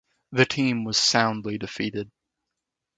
The team was soundly defeated.